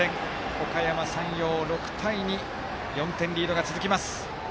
おかやま山陽、６対２４点リードが続きます。